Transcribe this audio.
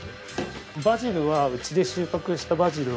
バジルはうちで収穫したバジルを。